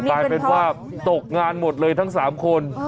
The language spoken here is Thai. กลายเป็นว่าตกงานหมดเลยทั้ง๓คน